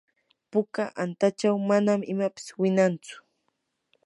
puka antachaw manan imapis winantsu.